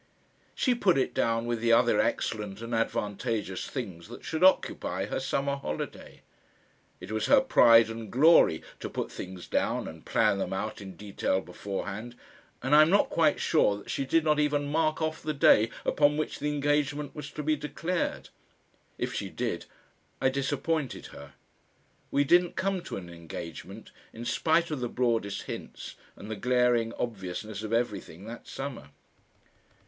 She put it down with the other excellent and advantageous things that should occupy her summer holiday. It was her pride and glory to put things down and plan them out in detail beforehand, and I'm not quite sure that she did not even mark off the day upon which the engagement was to be declared. If she did, I disappointed her. We didn't come to an engagement, in spite of the broadest hints and the glaring obviousness of everything, that summer.